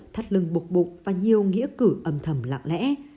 thắt lưng bục bục và nhiều nghĩa cử âm thầm lạng lẽ